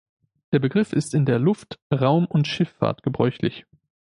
Der Begriff ist in der Luft-, Raum- und Schifffahrt gebräuchlich.